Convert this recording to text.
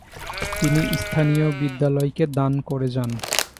তিনি স্থানীয় বিদ্যালয়কে দান করে যান।